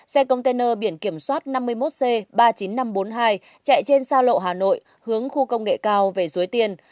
xe container biển kiểm soát năm mươi một c ba mươi chín nghìn năm trăm bốn mươi hai chạy trên xa lộ hà nội hướng khu công nghệ cao về suối tiên